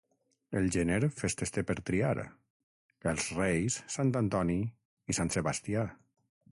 El gener festes té per triar: els Reis, Sant Antoni i Sant Sebastià.